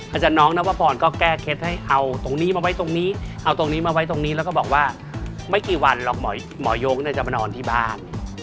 อาจารย์น้องนวพรก็แก้เคล็ดให้เอาตรงนี้มาไว้ตรงนี้เอาตรงนี้มาไว้ตรงนี้แล้วก็บอกว่าไม่กี่วันหรอกหมอโยงจะมานอนที่บ้าน